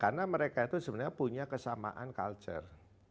karena mereka itu sebenarnya punya kesamaan culture